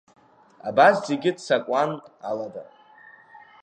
Абас зегьы ццакуан алада.